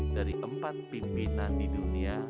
dari empat pimpinan di dunia